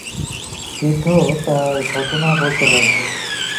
বৃদ্ধ তার ঘটনা বলতে লাগল।